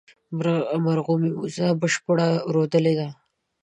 مرغومي، وزه بشپړه رودلې ده